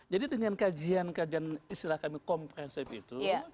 jadi dengan kajian kajian istilah kami komprensif itu